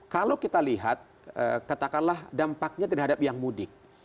kalau kita lihat katakanlah dampaknya terhadap yang mudik